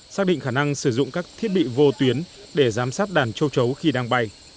xác định khả năng sử dụng các thiết bị vô tuyến để giám sát đàn châu chấu khi đang bay